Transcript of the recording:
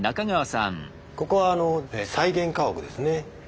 ここは再現家屋ですね。